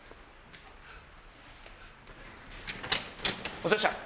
お疲れした。